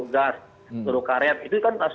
gas peluru karet itu kan harus